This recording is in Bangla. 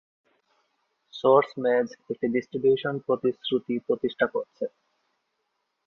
সোর্স মেজ একটি ডিস্ট্রিবিউশন প্রতিশ্রুতি প্রতিষ্ঠা করেছে।